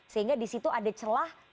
sehingga disitu ada celah